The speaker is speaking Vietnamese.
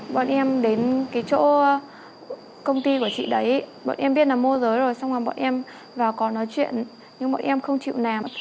bọn em đến cái chỗ công ty của chị đấy bọn em biết là môi giới rồi xong rồi bọn em vào có nói chuyện nhưng bọn em không chịu làm